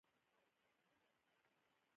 خو هغې په پرله پسې توګه لا په زوره خندل.